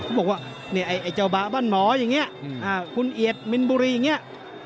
เค้าบอกว่าไอเจ้าบาบั่นหมออย่างเงี้ย